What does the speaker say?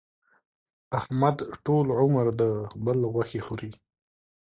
احمد ټول عمر د بل غوښې خوري.